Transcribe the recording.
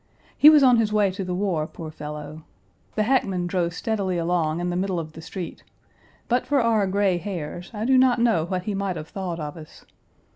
He was on his way to the war, poor fellow. The hackman drove steadily along in the middle of the street; but for our gray hairs I do not know what he might have thought of us.